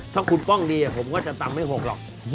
ถ้าคุณป้องดีผมก็จะตำไม่หกหรอก